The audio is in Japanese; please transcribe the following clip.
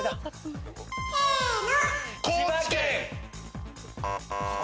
・せの！